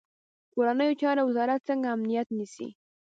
کورنیو چارو وزارت څنګه امنیت نیسي؟